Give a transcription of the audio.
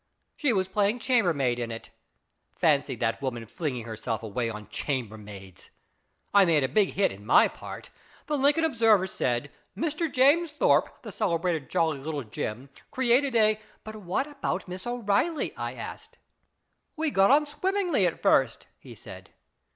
She was playing chambermaid in it. Fancy that woman fling ing herself away on chambermaids ! I made a big hit in my part. The Lincoln Observer said, ' Mr. James Thorpe, the celebrated Jolly Little Jim, created a '"" But about Miss O'Reilly," I asked. " We got on swimmingly at first," he said.